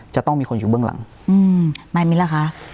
จะต้องมีคนอยู่เบื้องหลังไม่มีล่ะคะ